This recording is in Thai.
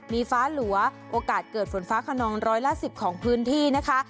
มีฟ้าหลัวโอกาสเกิดฝนฟ้าขนองร้อยละ๑๐ของพื้นที่นะคะ